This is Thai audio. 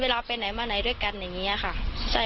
เพราะไม่เคยถามลูกสาวนะว่าไปทำธุรกิจแบบไหนอะไรยังไง